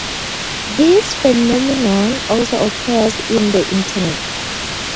This phenomenon also occurs in the Internet.